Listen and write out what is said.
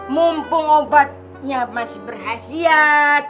mumpung obatnya masih berhasil